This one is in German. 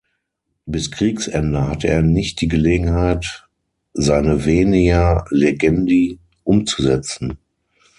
Bis Kriegsende hatte er nicht die Gelegenheit, seine Venia legendi umzusetzen.